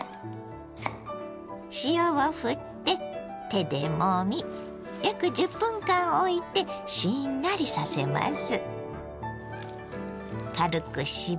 塩をふって手でもみ約１０分間おいてしんなりさせます。